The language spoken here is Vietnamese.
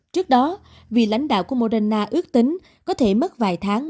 trước đó vị lãnh đạo của moderna ước tính có thể mất vài tháng